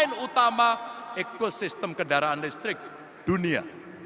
yang terutama ekosistem kendaraan listrik dunia